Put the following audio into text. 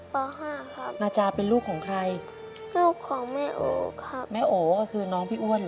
ป๕ครับนาจาเป็นลูกของใครลูกของแม่โอครับแม่โอก็คือน้องพี่อ้วน